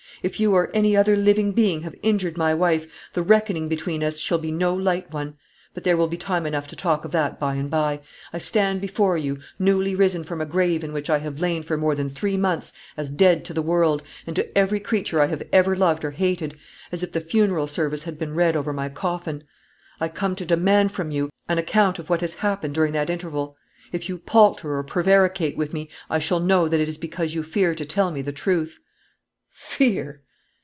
"If you or any other living being have injured my wife, the reckoning between us shall be no light one. But there will be time enough to talk of that by and by. I stand before you, newly risen from a grave in which I have lain for more than three months, as dead to the world, and to every creature I have ever loved or hated, as if the Funeral Service had been read over my coffin. I come to demand from you an account of what has happened during that interval. If you palter or prevaricate with me, I shall know that it is because you fear to tell me the truth." "Fear!"